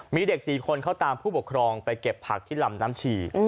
มีเด็ก๔คนเขาตามผู้ปกครองไปเก็บผักที่ลำน้ำฉี่